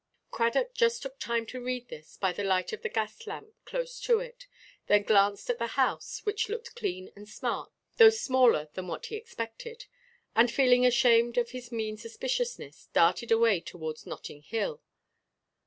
Cradock just took time to read this, by the light of the gas–lamp close to it; then glanced at the house (which looked clean and smart, though smaller than what he expected), and, feeling ashamed of his mean suspiciousness, darted away towards Notting Hill.